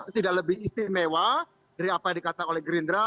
tidak lebih istimewa dari apa yang dikatakan oleh gerindra